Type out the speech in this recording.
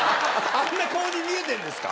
あんな顔に見えてるんですか？